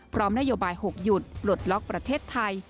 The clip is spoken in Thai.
พร้อมนโยบาย๖หยุดปลดล็อกประเทศไทย